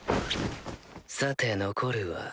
さて残るは。